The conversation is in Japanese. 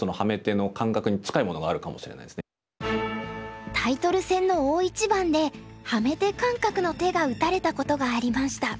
それはちょっとタイトル戦の大一番でハメ手感覚の手が打たれたことがありました。